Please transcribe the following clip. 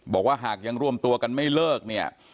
บอกว่าหากยังรวมตัวกันไม่เลิกเนี่ย